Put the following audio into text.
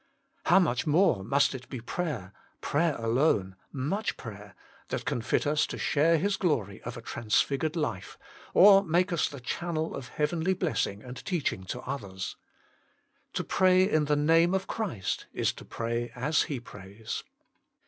How much more must it be prayer, prayer alone, much prayer, that can fit us to share His glory of a trans figured life, or make us the channel of heavenly blessing and teaching to others. To pray in the Name of Christ is to pray as He prays.